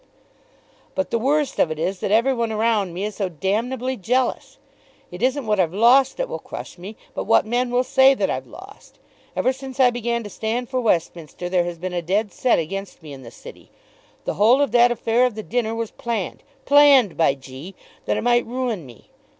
"But the worst of it is that every one around me is so damnably jealous. It isn't what I've lost that will crush me, but what men will say that I've lost. Ever since I began to stand for Westminster there has been a dead set against me in the City. The whole of that affair of the dinner was planned, planned by G , that it might ruin me.